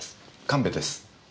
神戸です。